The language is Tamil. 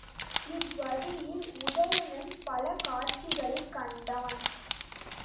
இவ் வழியில் உதயணன் பல காட்சிகளைக் கண்டான்.